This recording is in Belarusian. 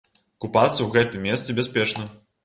Купацца ў гэтым месцы бяспечна.